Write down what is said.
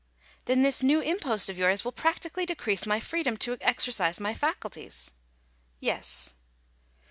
"Then this new impost of yours will practically decrease my freedom to exercise my faculties ?" "Yes."